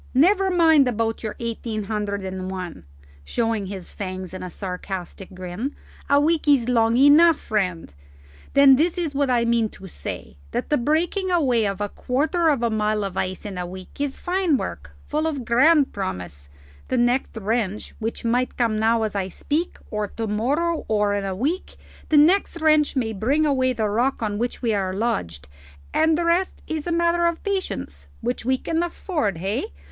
Never mind about your eighteen hundred and one," showing his fangs in a sarcastic grin; "a week is long enough, friend. Then this is what I mean to say: that the breaking away of a quarter of a mile of ice in a week is fine work, full of grand promise: the next wrench which might come now as I speak, or to morrow, or in a week the next wrench may bring away the rock on which we are lodged, and the rest is a matter of patience which we can afford, hey?